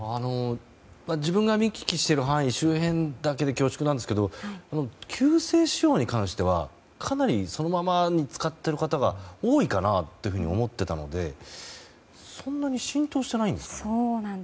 自分が見聞きしている範囲周辺だけで恐縮なんですけど旧姓使用に関してはそのまま使っている方が多いかなと思っていたのでそんなに浸透してないんですか？